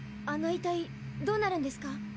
あの遺体どうなるんですか？